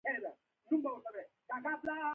خور تل خپلو یادونو ته ژاړي.